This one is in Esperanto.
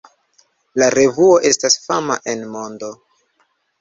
La revuo estas fama en mondo.